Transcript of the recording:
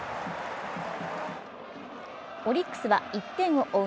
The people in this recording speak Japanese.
オリックスは１点を追う